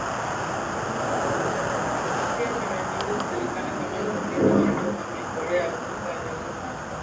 pia mara nyingi hujulikana kama mvumbuzi wa mto Kama historia ya Augusta inavyosema